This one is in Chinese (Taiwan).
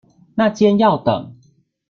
那間要等